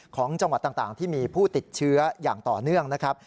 ของจังหวัดต่างที่มีผู้ติดเชื้ออย่างต่อเนื่องนะครับ